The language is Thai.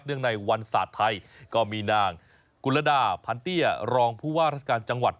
ในวันศาสตร์ไทยก็มีนางกุลดาพันเตี้ยรองผู้ว่าราชการจังหวัด